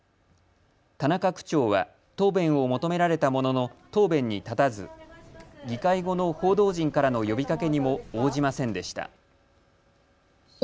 田中区長は答弁を求められたものの、答弁に立たず議会後の報道陣からの呼びかけにも応じませんでした。